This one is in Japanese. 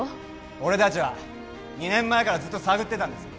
俺達は２年前からずっと探ってたんですよ